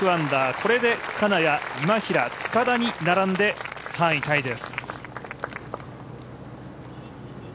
これで金谷、今平、塚田に並んで３位タイです。